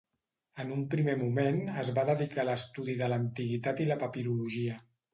En un primer moment es va dedicar a l'estudi de l'antiguitat i la papirologia.